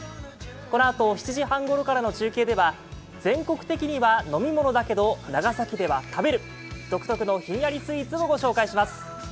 このあと７時半ごろからの中継では全国的には飲み物だけど長崎では食べる独特のひんやりスイーツをご紹介します。